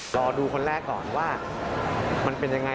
รอดูคนแรกก่อนว่ามันเป็นยังไง